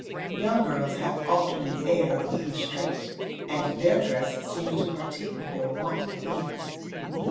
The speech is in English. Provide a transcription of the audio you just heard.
Young girls have often an air of constraint, and their dress seems to partake of their want of ease.